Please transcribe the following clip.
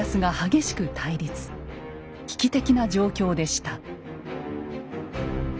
危機的な状況でした。